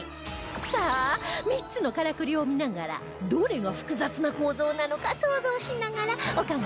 さあ３つのからくりを見ながらどれが複雑な構造なのか想像しながらお考えください